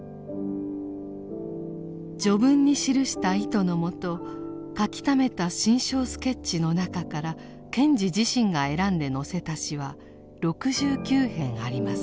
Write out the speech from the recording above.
序文に記した意図のもと書きためた「心象スケッチ」の中から賢治自身が選んで載せた詩は６９編あります。